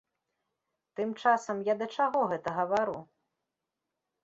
Тым часам я да чаго гэта гавару?